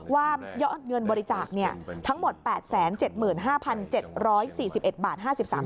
ว่ายอดเงินบริจาคทั้งหมด๘๗๕๗๔๑บาท